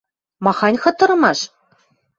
— Махань хытырымаш?